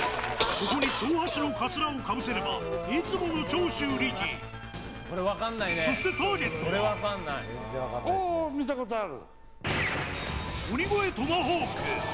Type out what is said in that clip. ここに長髪のカツラをかぶせればいつもの長州力そしてお見たことある。